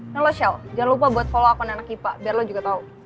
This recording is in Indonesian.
nah lo shell jangan lupa buat follow akun anak jepa biar lo juga tau